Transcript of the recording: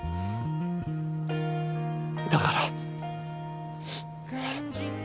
だから。